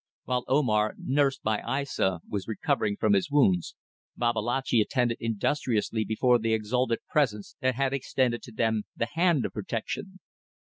While Omar, nursed by Aissa, was recovering from his wounds, Babalatchi attended industriously before the exalted Presence that had extended to them the hand of Protection.